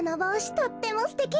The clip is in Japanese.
とってもすてき！